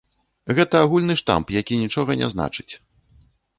Гэта агульны штамп, які нічога не значыць.